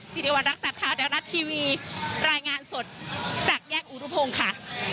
สีดีวันรักษาพลาวแดลนัททีวีรายงานสดจากแยกอุรุพงศ์ค่ะ